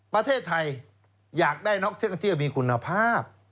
ประเทศไทยอยากได้นักท่องเที่ยวมีคุณภาพ